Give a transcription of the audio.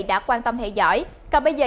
đã quan tâm theo dõi còn bây giờ